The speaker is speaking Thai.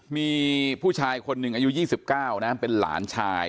มีผู้ชายคนหนึ่งอายุ๒๙นะเป็นหลานชาย